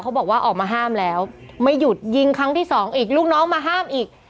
ออกมาห้ามแล้วไม่หยุดยิงครั้งที่สองอีกลูกน้องมาห้ามอีก